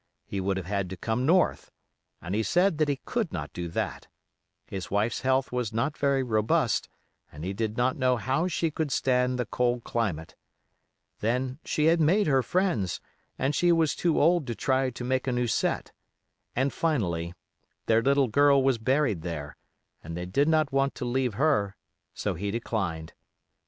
He would have had to come North, and he said that he could not do that: his wife's health was not very robust and he did not know how she could stand the cold climate; then, she had made her friends, and she was too old to try to make a new set; and finally, their little girl was buried there, and they did not want to leave her; so he declined.